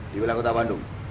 di wilayah kota bandung